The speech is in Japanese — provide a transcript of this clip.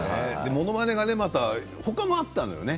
ものまねがまた他にもあったのよね。